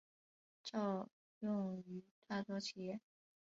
适用于大多企业。